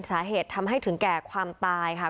สาเหตุทำให้ถึงแก่ความตายค่ะ